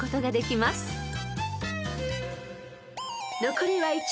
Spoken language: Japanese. ［残りは１問］